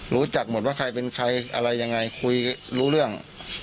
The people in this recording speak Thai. รู้จักหมดว่าใครเป็นใครอะไรยังไงคุยรู้เรื่อง